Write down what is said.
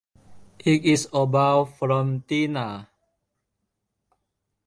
It is about from Dina.